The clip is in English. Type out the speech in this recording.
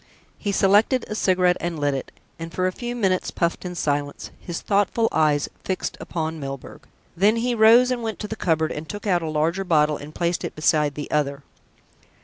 He selected a cigarette and lit it, and for a few minutes puffed in silence, his thoughtful eyes fixed upon Milburgh. Then he rose and went to the cupboard and took out a larger bottle and placed it beside the other.